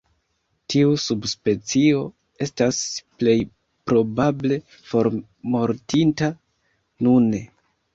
Tiu subspecio estas plej probable formortinta nune.